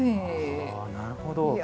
あなるほど。